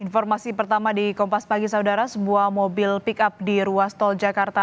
informasi pertama di kompas pagi saudara sebuah mobil pick up di ruas tol jakarta